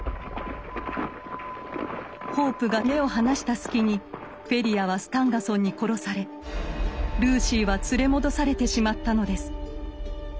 ホープが目を離した隙にフェリアはスタンガソンに殺されルーシーは連れ戻されてしまったのです。